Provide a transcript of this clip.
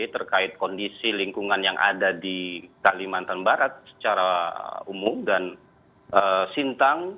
terkait kondisi lingkungan yang ada di kalimantan barat secara umum dan sintang